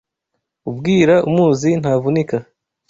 Ubwira umuzi ntavunika